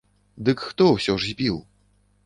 Дык хто ўсё ж збіў?